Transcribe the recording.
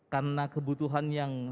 karena kebutuhan yang